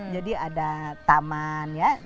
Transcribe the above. jadi ada taman ya